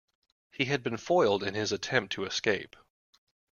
He had been foiled in his attempt to escape.